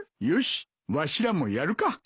よしわしらもやるか。